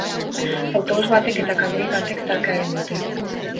Autobus batek eta kamioi batek talka egin dute.